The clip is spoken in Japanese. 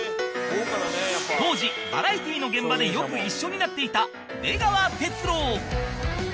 当時バラエティの現場でよく一緒になっていた出川哲朗